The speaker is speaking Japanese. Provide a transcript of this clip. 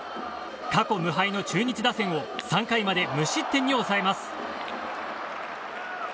過去無敗の中日打線を３回まで無失点に抑えます。